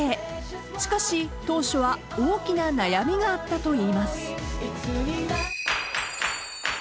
［しかし当初は大きな悩みがあったといいます］